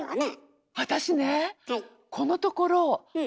私ねこのところええ！